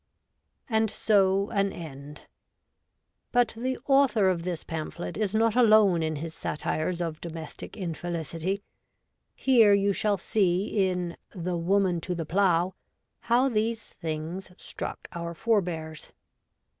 >> And so an end. But the author of this pamphlet is not alone in his satires of domestic infelicity. Here you shall see, in The Woman to the Plow, how these things struck our forbears.